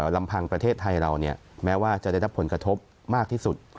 ลำพังประเทศไทยเราแม้ว่าจะได้รับผลกระทบมากที่สุด